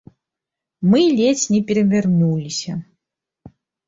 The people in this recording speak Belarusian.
Мы ледзь не перавярнуліся.